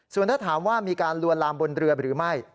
ส่วนถ้าถามว่ามีการลวนลามบนเรือหรือไม่